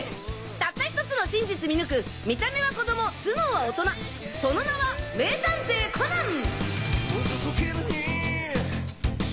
たった１つの真実見抜く見た目は子供頭脳は大人その名は名探偵コナン！